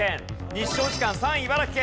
日照時間３位茨城県。